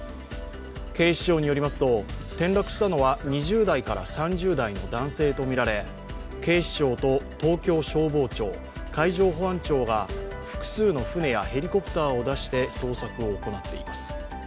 警視庁によりますと、転落したのは２０代から３０代くらいの男性とみられ警視庁と東京消防庁、海上保安庁が複数の船やヘリコプターを出して捜索を行っています。